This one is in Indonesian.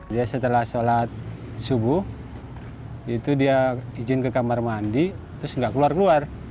dia setelah sholat subuh itu dia izin ke kamar mandi terus nggak keluar keluar